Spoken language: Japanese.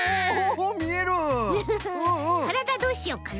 からだどうしよっかな。